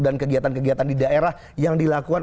dan kegiatan kegiatan di daerah yang dilakukan